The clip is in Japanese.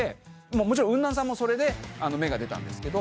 もちろんウンナンさんもそれで芽が出たんですけど。